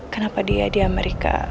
kenapa dia di amerika